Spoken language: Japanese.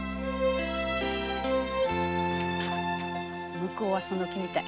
向こうはその気みたい。